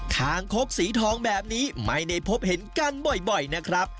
คางคกสีทองแบบนี้ไม่ได้พบเห็นกันบ่อยนะครับ